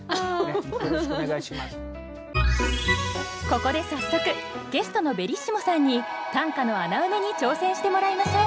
ここで早速ゲストのベリッシモさんに短歌の穴埋めに挑戦してもらいましょう！